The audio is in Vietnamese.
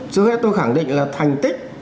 chưa hết tôi khẳng định là thành tích